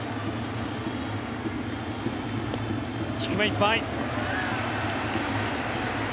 低めいっぱい。